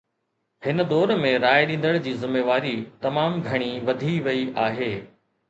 هن دور ۾ راءِ ڏيندڙ جي ذميواري تمام گهڻي وڌي وئي آهي.